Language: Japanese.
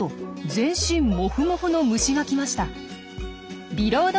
全身モフモフの虫が来ました。